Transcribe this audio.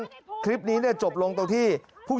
มันตายมาแล้วมันตายมาแล้ว